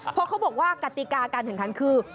เพราะเขาบอกว่ากติกาการแข่งขันคือ